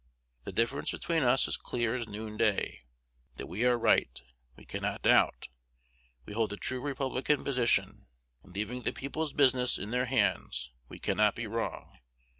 The difference between us is clear as noonday. That we are right, we cannot doubt. We hold the true republican position. In leaving the people's business in their hands, we cannot be wrong.